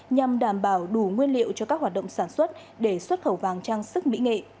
nhằm đảm bảo đủ nguyên liệu cho các hoạt động sản xuất để xuất khẩu vàng trang sức mỹ nghệ